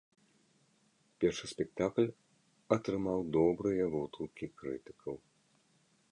Першы спектакль атрымаў добрыя водгукі крытыкаў.